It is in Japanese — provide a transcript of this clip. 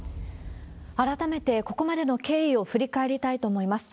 改めて、ここまでの経緯を振り返りたいと思います。